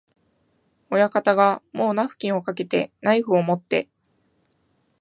親方がもうナフキンをかけて、ナイフをもって、